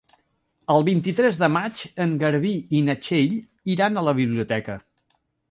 El vint-i-tres de maig en Garbí i na Txell iran a la biblioteca.